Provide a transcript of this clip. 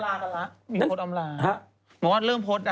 เริ่มโพสต์อำราเริ่มโพสต์อำรา